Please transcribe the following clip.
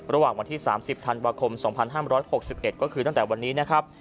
ระหว่างวันที่๓๐ธันวาคม๒๕๖๑ก็คือตั้งแต่วันนี้นะครับ